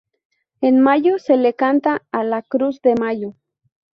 En mayo se le canta a la "Cruz de Mayo".